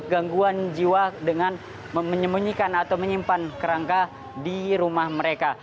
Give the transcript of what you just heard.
gangguan jiwa dengan menyembunyikan atau menyimpan kerangka di rumah mereka